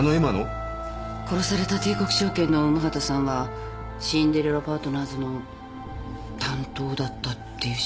殺された帝国証券の午端さんはシンデレラパートナーズの担当だったっていうし。